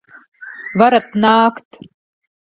Varat nākt!